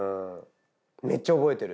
めっちゃ覚えてる。